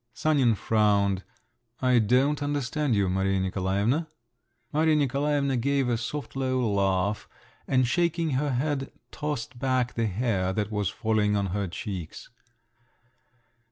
Sanin frowned. "I don't understand you, Maria Nikolaevna." Maria Nikolaevna gave a soft low laugh, and shaking her head tossed back the hair that was falling on her cheeks.